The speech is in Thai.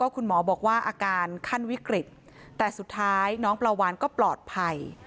คุณหมอบอกว่าอาการขั้นวิกฤตแต่สุดท้ายน้องปลาวานก็ปลอดภัย